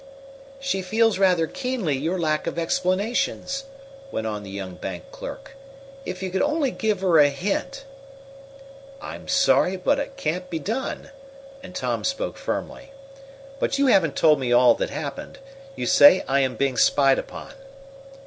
"She feels rather keenly your lack of explanations," went on the young bank clerk. "If you could only give her a hint " "I'm sorry, but it can't be done," and Tom spoke firmly. "But you haven't told me all that happened. You say I am being spied upon."